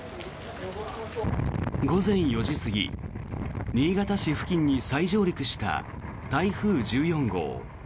午前４時すぎ、新潟市付近に再上陸した台風１４号。